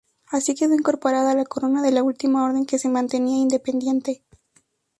Así quedó incorporada a la corona la última Orden que se mantenía independiente.